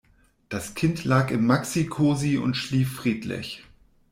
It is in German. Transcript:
Das Kind lag im Maxicosi und schlief friedlich.